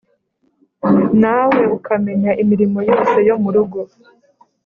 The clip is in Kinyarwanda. nawe ukamenya imirimo yose yo mu rugo.